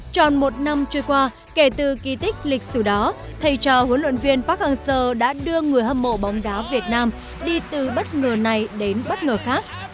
tròn một năm trôi qua kể từ kỳ tích lịch sử đó thầy trò huấn luyện viên park hang seo đã đưa người hâm mộ bóng đá việt nam đi từ bất ngờ này đến bất ngờ khác